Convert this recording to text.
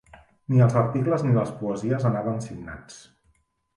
Ni els articles ni les poesies anaven signats.